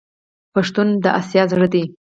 پښتون د اسیا زړه دی.